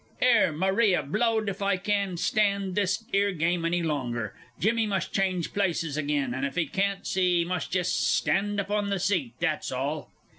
'Ere, Maria, blowed if I can stand this 'ere game any longer. Jimmy must change places again, and if he can't see, he must jest stand up on the seat, that's all!